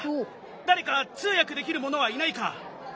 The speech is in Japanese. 誰か通訳できる者はいないか？